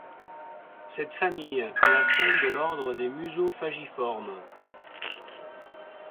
Cette famille est la seule de l'ordre des Musophagiformes.